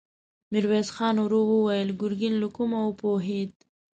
ميرويس خان ورو وويل: ګرګين له کومه وپوهېد؟